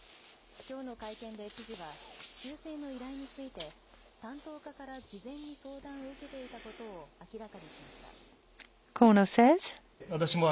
きょうの会見で知事は、修正の依頼について、担当課から事前に相談を受けていたことを明らかにしました。